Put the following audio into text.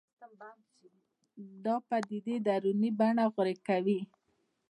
دا پدیدې دروني بڼه غوره کوي